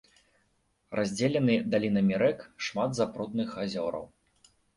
Раздзелены далінамі рэк, шмат запрудных азёраў.